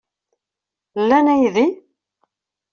Lan aydi?